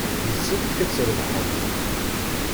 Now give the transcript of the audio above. Yessefk ad trebḥem.